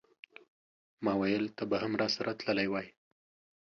ماویل ته به هم راسره تللی وای.